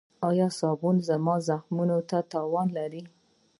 ایا صابون زما زخم ته تاوان لري؟